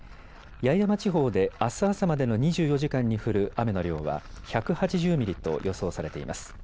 八重山地方であす朝までの２４時間に降る雨の量は１８０ミリと予想されています。